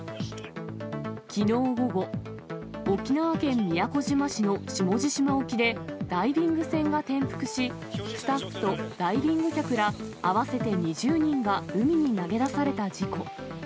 きのう午後、沖縄県宮古島市の下地島沖でダイビング船が転覆し、スタッフとダイビング客ら合わせて２０人が海に投げ出された事故。